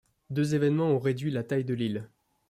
Deux évènements ont réduit la taille de l’île.